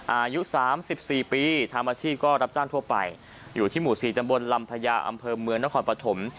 อายุ๓๔ปีทำอาชีพก็รับจ้างทั่วไปอยู่ที่หมู่๔ตำบลลำพญาอำเภอเมืองนครปฐม